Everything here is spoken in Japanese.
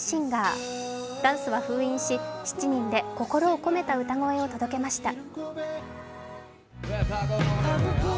ダンスは封印し、７人で心を込めた歌声を届けました。